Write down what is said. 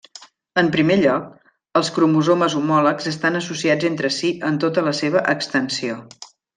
En primer lloc, els cromosomes homòlegs estan associats entre si en tota la seva extensió.